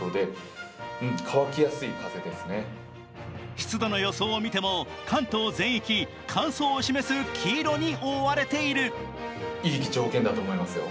湿度の予想を見ても関東全域、乾燥を示す黄色に覆われている。